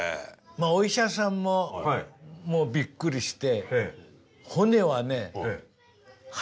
お医者さんももうびっくりしてえ